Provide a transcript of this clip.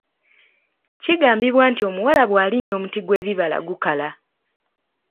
Kigambibwa nti omuwala bw’alinnya omuti gw’ebibala gukala.